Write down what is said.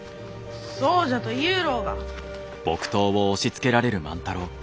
そうじゃと言ゆうろうが。